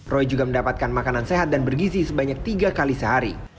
roy juga mendapatkan makanan sehat dan bergizi sebanyak tiga kali sehari